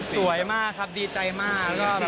สวยมากครับดีใจมากอาจารย์คับ